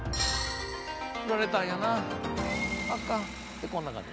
「振られたんやなアカン」ってこんな感じ。